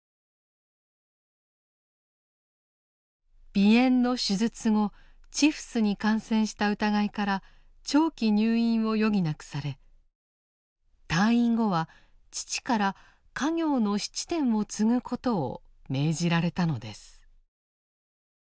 鼻炎の手術後チフスに感染した疑いから長期入院を余儀なくされ退院後は父から家業の質店を継ぐことを命じられたのです。